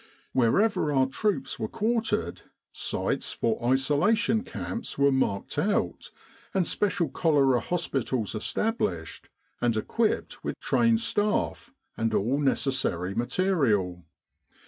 Wherever our troops were quartered, sites for isolation camps were marked out, and special cholera hospitals established and equipped with trained staff and all necessary material.